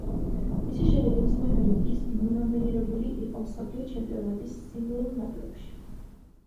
მისი შედეგების მიხედვით, ის ნომინირებული იყო „მსოფლიო ჩემპიონატის სიმბოლურ ნაკრებში“.